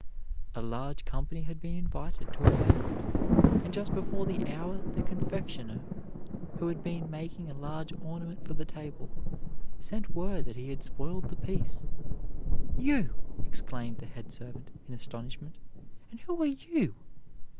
A large company had been invited to a banquet, and just before the hour the confectioner, who had been making a large ornament for the table, sent word that he had spoiled the piece. "You!" exclaimed the head servant, in astonishment; "and who are you?"